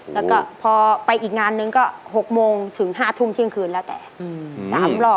แล้วก็พอไปอีกงานนึงก็๖โมงถึง๕ทุ่มเที่ยงคืนแล้วแต่๓รอบ